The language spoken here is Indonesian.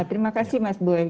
terima kasih mas boy